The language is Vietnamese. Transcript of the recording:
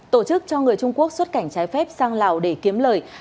tổ chức cho người trung quốc xuất cảnh trái phép sang lào để kiếm lời